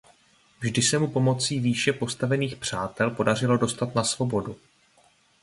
Vždy se mu pomocí výše postavených přátel podařilo dostat na svobodu.